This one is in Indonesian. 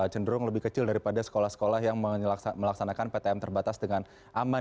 cenderung lebih kecil daripada sekolah sekolah yang melaksanakan ptm terbatas dengan aman